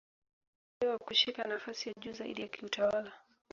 alitabiriwa kushika nafasi ya juu zaidi ya kiutawala